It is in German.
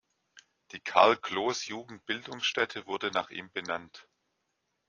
Die Karl-Kloß-Jugendbildungsstätte wurde nach ihm benannt.